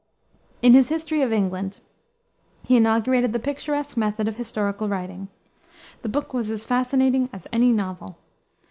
In his History of England, he inaugurated the picturesque method of historical writing. The book was as fascinating as any novel.